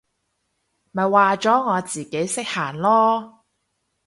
咪話咗我自己識行囉！